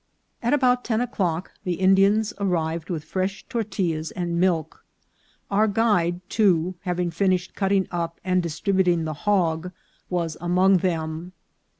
At about ten o'clock the Indians arrived with fresh tortillas and milk. Our guide, too, having finished cut ting up and distributing the hog, was with them.